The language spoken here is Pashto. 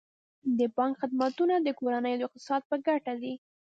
د بانک خدمتونه د کورنیو د اقتصاد په ګټه دي.